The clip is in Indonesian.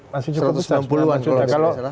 masih cukup satu ratus sembilan puluh an kalau saya salah